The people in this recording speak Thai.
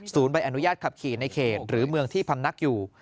ใบอนุญาตขับขี่ในเขตหรือเมืองที่พำนักอยู่